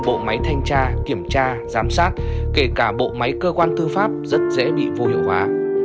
bộ máy thanh tra kiểm tra giám sát kể cả bộ máy cơ quan tư pháp rất dễ bị vô hiệu hóa